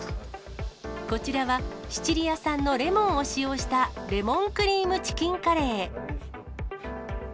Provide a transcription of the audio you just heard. こちらは、シチリア産のレモンを使用した、レモンクリームチキンカレー。